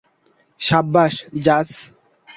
সাব্বাশ, জাস।